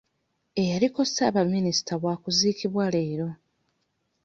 Eyaliko ssaabaminisita wa kuziikibwa leero.